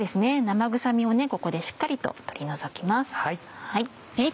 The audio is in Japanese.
生臭みをここでしっかりと取り除きます。